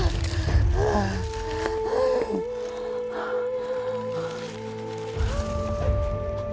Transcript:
อ่า